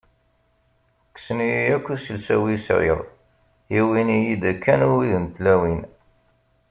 Kksen-iyi akk iselsa-w i sɛiɣ, iwin-iyi-d kan wid n tlawin.